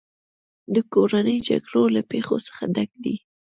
د کورنیو جګړو له پېښو څخه ډک دی.